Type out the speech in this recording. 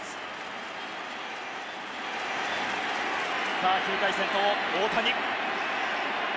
さあ９回先頭大谷。